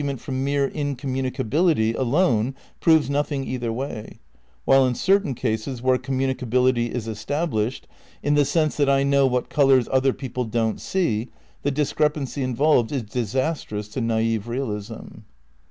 So that I think the argument from mere in communicability alone proves nothing either way, while in certain cases where communicability is established, in the sense that I know what colours other people don't see, the discrepancy involved is disastrous to naif realism.